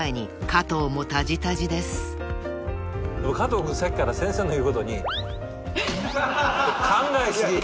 加藤君さっきから先生の言うことに。